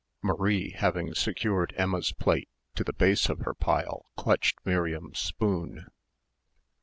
Marie, having secured Emma's plate to the base of her pile clutched Miriam's spoon.